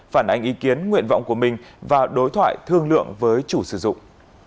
phản ánh ý kiến nguyện vọng của mình và đối thoại thương lượng với chủ sử dụng